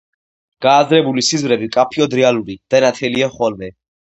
გააზრებული სიზმრები მკაფიოდ რეალური და ნათელია ხოლმე.